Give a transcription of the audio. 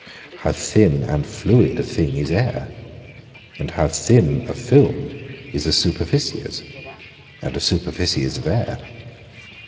how thin and fluid a thing is air, and how thin a film is a superficies, and a superficies of air!